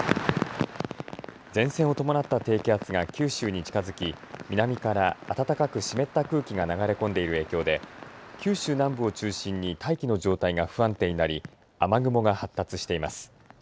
前線を伴った低気圧が九州に近づき南から暖かく湿った空気が流れ込んでいる影響で九州南部を中心に大気の状態が不安定になり雨雲が発達しています。